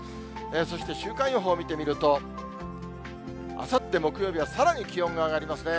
そして週間予報を見てみると、あさって木曜日はさらに気温が上がりますね。